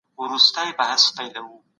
مشران به خپلي تجربي د ځوانانو سره شريکي کړي.